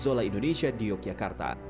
zola indonesia di yogyakarta